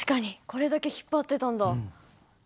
これだけ引っ張ってたんだ。